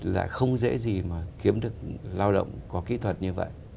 là không dễ gì mà kiếm được lao động có kỹ thuật như vậy